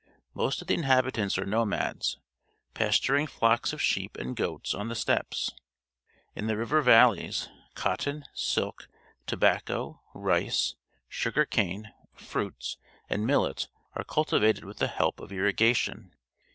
Most of the inhabitants are nomads, pasturing flocks of sheep and goats on the steppes. In the 210 PUBLIC SCHOOL GEOGRAPLQ' river valleys, cotton, silk, tobacco, rice, sugar cane, fruits, and millet are cultivated with the help of irrigation.